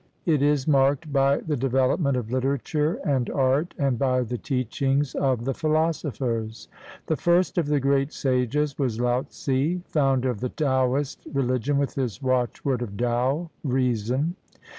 It is marked by the development of literature and art and by the teachings of the philosophers. The first of the great sages was Laotze, founder of the Taoist religion with its watchword of "Tao" (Reason).